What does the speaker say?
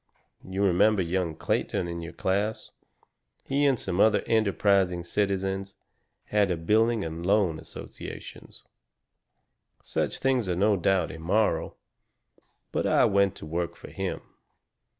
You remember young Clayton in our class? He and some other enterprising citizens had a building and loan association. Such things are no doubt immoral, but I went to work for him.